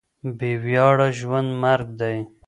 بې وياړه ژوند مرګ دی.